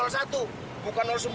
mau sampai kapan kan aksi ini